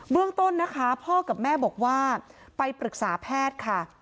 เรื่องต้นนะคะพ่อกับแม่บอกว่าไปปรึกษาแพทย์ค่ะ